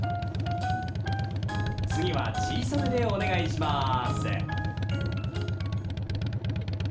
次は、小さめでお願いします！